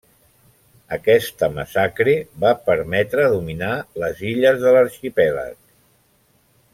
Aquesta massacre va permetre dominar les illes de l'arxipèlag.